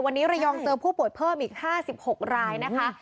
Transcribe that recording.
วันนี้ระยองเจอผู้ปวดเพิ่มอีกห้าสิบหกรายนะคะ